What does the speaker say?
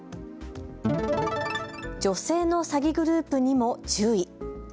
女性の詐欺グループにも注意。